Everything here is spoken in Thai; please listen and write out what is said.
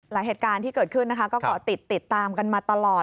หลายเหตุการณ์ที่เกิดขึ้นก็ติดตามกันมาตลอด